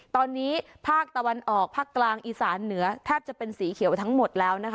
ตอนนี้ภาคตะวันออกภาคกลางอีสานเหนือแทบจะเป็นสีเขียวทั้งหมดแล้วนะคะ